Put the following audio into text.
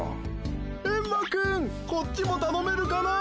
エンマくんこっちもたのめるかな。